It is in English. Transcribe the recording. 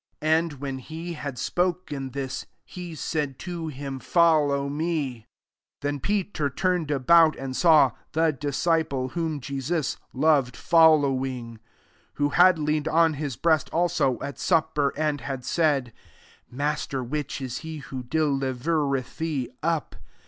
And when he had spoken this, he said to him, « Follow me,'' 20 Then Peter turned about, and saw the disciple whom Je sus loved following; who had leaned on his breast also at sup per, and had said, " Master, which is he who delivereth thee up